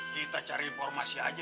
kita cari informasi aja